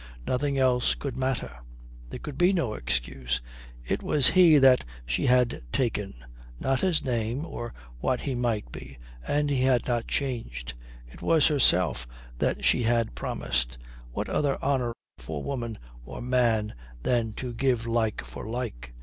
Nothing else could matter. There could be no excuse. It was he that she had taken, not his name or what he might be, and he had not changed. It was herself that she had promised what other honour for woman or man than to give like for like?